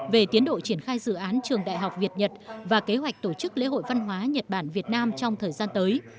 về tiến độ triển khai dự án trường đại học việt nhật và kế hoạch tổ chức lễ hội văn hóa nhật bản việt nam trong thời gian tới